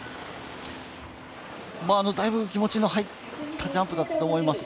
だいぶ気持ちの入ったジャンプだったと思います。